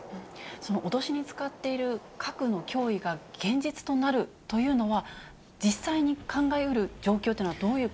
その脅しに使っている核の脅威が現実となるというのは、実際に考えうる状況というのはど